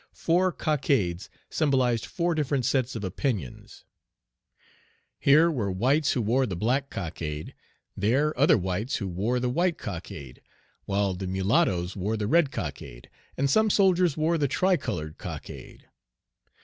Four cockades symbolized four different sets of opinions: here were whites who wore the black cockade; there other whites who wore the white cockade; while the mulattoes wore the red cockade; and some soldiers wore the tri colored cockade.